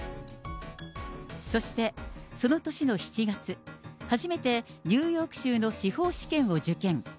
そして、その年の７月、初めてニューヨーク州の司法試験を受験。